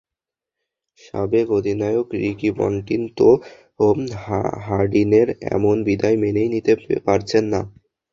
সাবেক অধিনায়ক Ricky Ponting তো হাডিনের এমন বিদায় মেনেই নিতে পারছেন না।